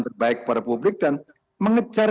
terbaik kepada publik dan mengejar